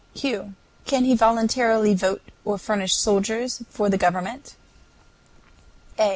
Q. Can he voluntarily vote or furnish soldiers for the government? A.